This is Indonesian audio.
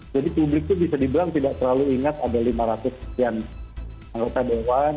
jadi publik itu bisa dibilang tidak terlalu ingat ada lima ratus sekian anggota dewan